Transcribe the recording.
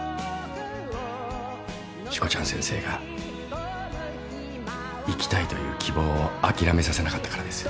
しこちゃん先生が生きたいという希望を諦めさせなかったからです。